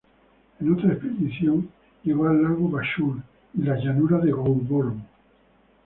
En otra expedición, llegó al lago Bathurst y las llanuras de Goulburn.